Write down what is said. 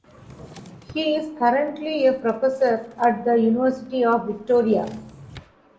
He is currently a professor at the University of Victoria.